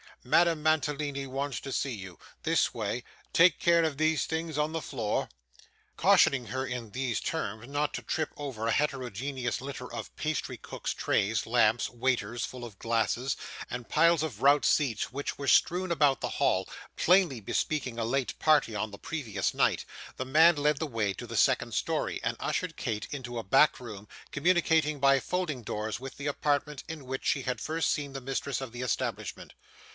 'Madame Mantalini wants to see you this way take care of these things on the floor.' Cautioning her, in these terms, not to trip over a heterogeneous litter of pastry cook's trays, lamps, waiters full of glasses, and piles of rout seats which were strewn about the hall, plainly bespeaking a late party on the previous night, the man led the way to the second story, and ushered Kate into a back room, communicating by folding doors with the apartment in which she had first seen the mistress of the establishment.